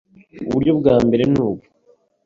Uburyo bwa mbere nubu